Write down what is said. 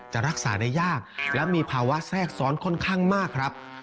จะรักษาได้ยากและมีภาวะแทรกซ้อนค่อนข้างมากครับ